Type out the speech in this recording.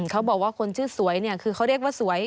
เขาบอกว่าคนชื่อสวยเนี่ยคือเขาเรียกว่าสวย